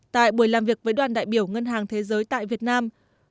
tại buổi làm việc với đoàn đại biểu ngân hàng thế giới tại việt nam